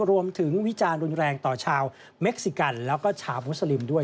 วิจารณ์รุนแรงต่อชาวเม็กซิกันแล้วก็ชาวมุสลิมด้วย